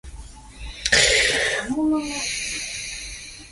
He cites James Brown's "Live at the Apollo" as his lifelong favorite album.